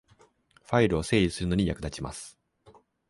ファイルを整理するのに役立ちます